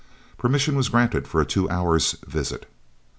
Permission was granted for a two hours' visit.